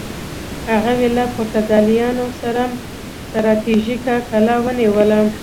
هغوی له پرتګالیانو یوه ستراتیژیکه کلا ونیوله.